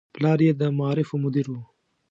پلار یې د معارفو مدیر و.